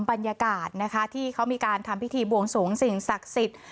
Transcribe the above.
บรรยากาศนะคะที่เขามีการทำพิธีบวงสวงสิ่งศักดิ์สิทธิ์